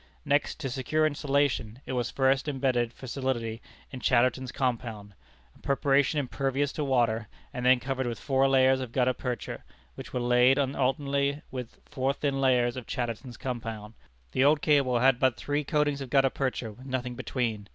Next, to secure insulation, it was first imbedded for solidity in Chatterton's compound, a preparation impervious to water, and then covered with four layers of gutta percha, which were laid on alternately with four thin layers of Chatterton's compound. The old cable had but three coatings of gutta percha, with nothing between.